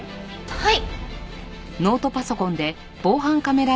はい！